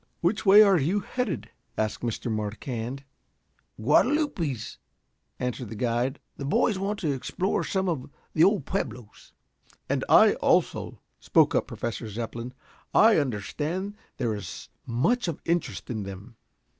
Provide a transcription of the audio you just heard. "Which way are you headed?" asked Mr. Marquand. "Guadalupes," answered the guide. "The boys want to explore some of the old pueblos." "And I also," spoke up Professor Zepplin. "I understand there is much of interest in them."